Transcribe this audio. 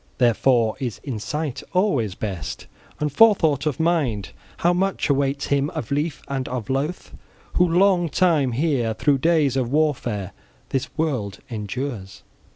Therefore is insight always best, and forethought of mind. How much awaits him of lief and of loath, who long time here, through days of warfare this world endures!